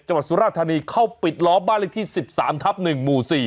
จังหวัดสุราธานีเข้าปิดล้อบ้านลิขที่๑๓ทับ๑หมู่๔